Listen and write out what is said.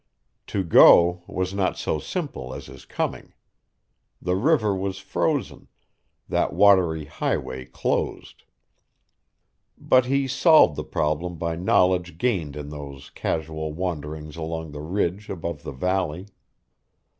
To go was not so simple as his coming. The river was frozen, that watery highway closed. But he solved the problem by knowledge gained in those casual wanderings along the ridge above the valley.